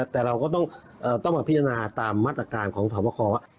แต่เราก็ต้องมาพิจารณาตามมัตต์การณ์ของสวทวศ์วะคร